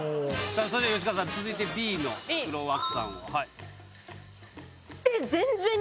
吉川さん続いてＢのクロワッサンを。